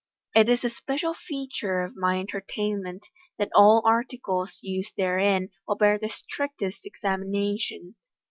It is a special feature of my entertainment that all articles used therein will bear the strictest examination.